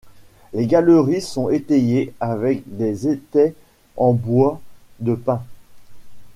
Les galeries sont étayées avec des étais en bois de pin.